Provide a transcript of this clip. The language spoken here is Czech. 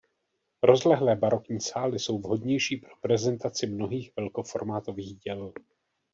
Rozlehlé barokní sály jsou vhodnější pro prezentaci mnohých velkoformátových děl.